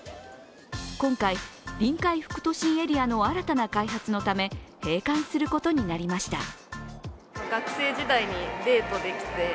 今回、臨海副都心エリアの新たな開発のため閉館することになりました。